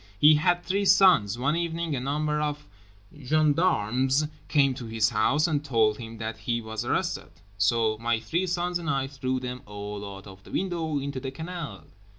He had three sons. One evening a number of gendarmes came to his house and told him that he was arrested, "so my three sons and I threw them all out of the window into the canal."